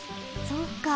そうか。